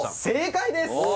正解です